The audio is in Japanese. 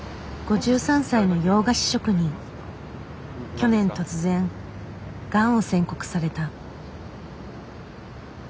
去年突然がんを宣告された。